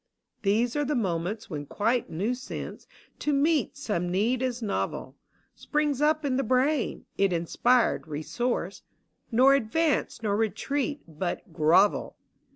■• These are the moments when quite new sense, To meet some need as novel, Springs up in the brain : it inspired resource :—•* Nor advance nor retreat but — grovel